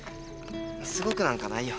すごくなんかないよ。